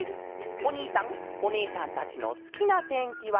おにいさんおねえさんたちのすきなてんきはなんですか？」。